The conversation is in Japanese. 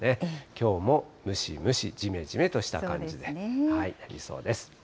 きょうもムシムシ、じめじめとした感じになりそうです。